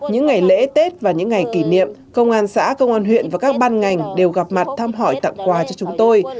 những ngày lễ tết và những ngày kỷ niệm công an xã công an huyện và các ban ngành đều gặp mặt thăm hỏi tặng quà cho chúng tôi